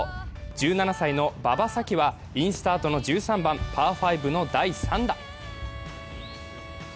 １７歳の馬場咲希は、インスタートの１３番パー５の第３打。